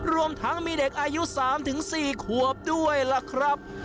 รวมทั้งมีเด็กอายุ๓๔ขวบด้วยล่ะครับ